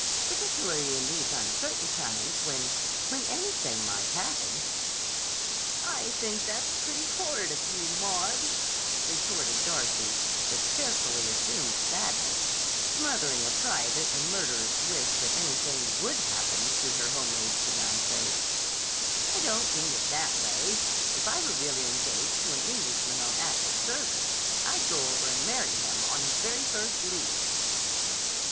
"Particularly in these uncertain times when—when anything might happen." "I think that's pretty horrid of you, Maud," retorted Darcy with carefully assumed sadness, smothering a private and murderous wish that "anything" would happen to her home made fiancé. "I don't mean it that way. But if I were really engaged to an Englishman on active service, I'd go over and marry him, on his very first leave."